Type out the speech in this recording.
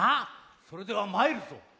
それではまいるぞ！